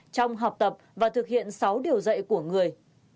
trong học tập và thực hiện sáu điều dạy của người